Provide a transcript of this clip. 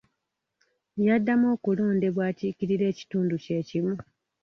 Yaddamu okulondebwa akiikirire ekitundu kye kimu.